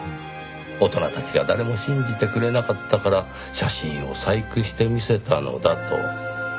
大人たちが誰も信じてくれなかったから写真を細工して見せたのだと。